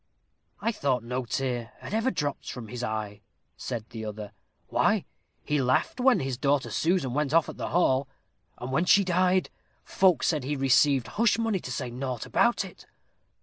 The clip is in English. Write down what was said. "I thought no tear had ever dropped from his eye," said the other. "Why, he laughed when his daughter Susan went off at the hall; and, when she died, folks said he received hush money to say nought about it.